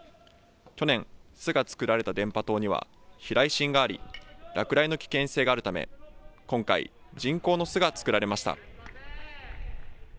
去年、巣が作られた電波塔には避雷針があり落雷の危険性があるため今回、人工の巣が作られました。